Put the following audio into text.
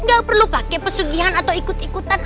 gak perlu pakai pesugihan atau ikut ikutan